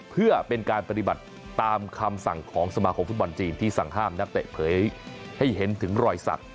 เพื่อเป็นการปฏิบัติตามคำสั่งของสมาคมฟุตบอลจีนที่สั่งห้ามนักเตะเผยให้เห็นถึงรอยสัก